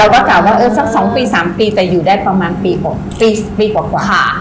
ก็กล่าวว่าเออสัก๒ปี๓ปีแต่อยู่ได้ประมาณปีกว่าปีกว่า